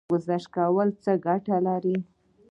ګذشت کول څه ګټه لري؟